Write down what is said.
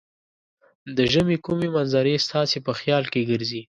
د ژمې کومې منظرې ستاسې په خیال کې ګرځي؟